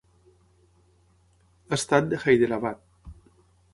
Estat de Hyderabad.